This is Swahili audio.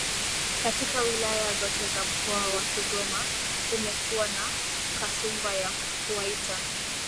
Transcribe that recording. katika wilaya zote za Mkoa wa Kigoma kumekuwa na kasumba ya kuwaita